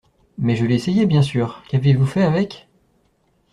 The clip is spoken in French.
Mais je l’ai essayé bien sûr. Qu’avez-vous fait avec?